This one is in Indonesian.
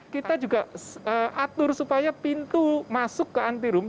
kita juga atur supaya pintu masuk ke antirum